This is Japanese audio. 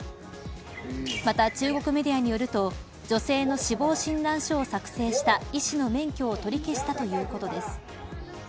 また、中国メディアによると女性の死亡診断書を作成した医師の免許を取り消したということです。